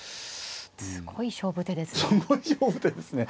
すごい勝負手ですね。